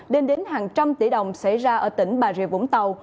lên đến hàng trăm tỷ đồng xảy ra ở tỉnh bà rịa vũng tàu